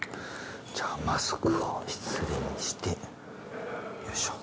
じゃあマスクを失礼してよいしょ。